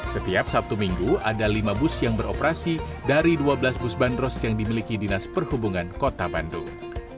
setiap sabtu minggu ada lima bus yang beroperasi dari dua belas bus bandros yang dimiliki dinas perhubungan kota bandung